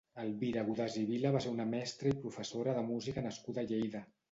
Elvira Godàs i Vila va ser una mestra i professora de música nascuda a Lleida.